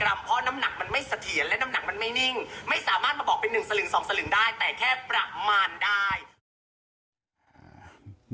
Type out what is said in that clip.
เพราะน้ำหนักมันไม่เสถียรและน้ำหนักมันไม่นิ่งไม่สามารถมาบอกเป็นหนึ่งสลึงสองสลึงได้แต่แค่ประมาณได้